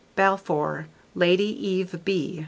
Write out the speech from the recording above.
Balfour, Lady Eve B.